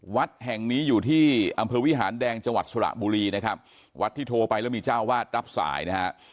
วัดแห่งนี้อยู่ที่อำเภอวิหารแดงจังหวัดสระบุรีนะครับวัดที่โทรไปแล้วมีเจ้าวาดรับสายนะฮะ